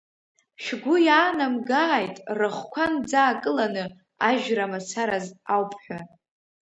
Шәгәы иаанамгааит, рыхқәа нӡаакыланы, ажәра мацараз ауп ҳәа.